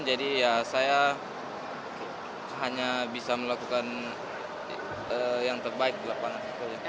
jadi ya saya hanya bisa melakukan yang terbaik di lapangan